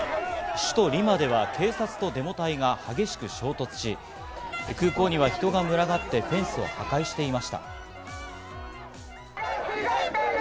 首都リマでは警察とデモ隊が激しく衝突し、空港には人が群がってフェンスを破壊していました。